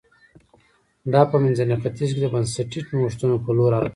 دا په منځني ختیځ کې د بنسټي نوښتونو په لور حرکت و